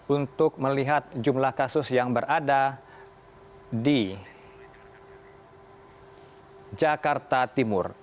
untuk melihat jumlah kasus yang berada di jakarta timur